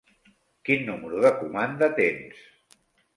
Quin número de comanda tens?